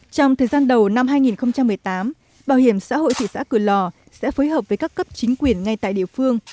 trong thời gian đầu năm hai nghìn một mươi tám bảo hiểm xã hội thị xã cửa lò sẽ phối hợp với các cấp chính quyền ngay tại địa phương